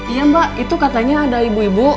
iya mbak itu katanya ada ibu ibu